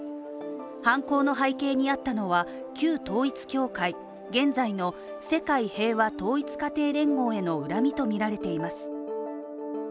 犯行の背景にあったのは、旧統一教会、現在の世界平和統一家庭連合への恨みとみられています。